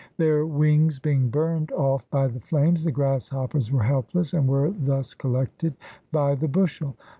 Their wings being burned off by the flames, the grasshoppers were helpless and were thus col lected by the bushel.